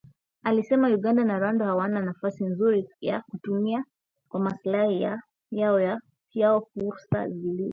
alisema Uganda na Rwanda wana nafasi nzuri ya kutumia kwa maslahi yao fursa zilizoko